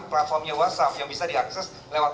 platformnya whatsapp yang bisa diakses lewat